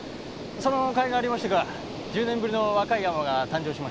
そのかいがありましてか１０年ぶりの若い海女が誕生しましてね。